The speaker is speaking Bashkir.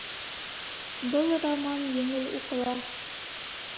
Был роман еңел уҡыла